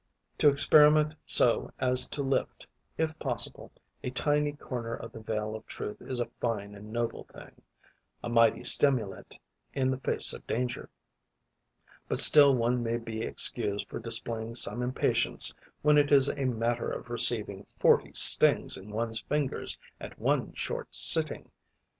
To experiment so as to lift, if possible, a tiny corner of the veil of truth is a fine and noble thing, a mighty stimulant in the face of danger; but still one may be excused for displaying some impatience when it is a matter of receiving forty stings in one's fingers at one short sitting.